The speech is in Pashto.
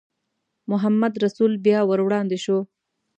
محمدرسول بیا ور وړاندې شو.